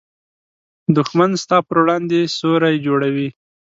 دښمن ستا پر وړاندې سیوری جوړوي